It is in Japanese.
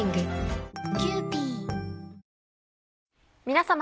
皆様。